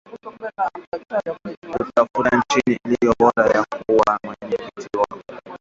Kutafuta nchi iliyo bora kuwa mwenyeji wa taasisi hiyo, ambayo iliichagua Tanzania .